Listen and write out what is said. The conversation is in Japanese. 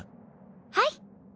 はい。